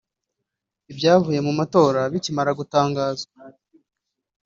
Ibyavuye mu matora bikimara gutangazwa